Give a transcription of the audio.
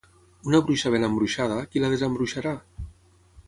Una bruixa ben embruixada, qui la desembruixarà?